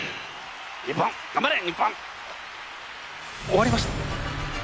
終わりました。